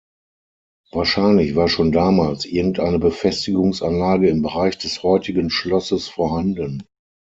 Wahrscheinlich war schon damals irgendeine Befestigungsanlage im Bereich des heutigen Schlosses vorhanden.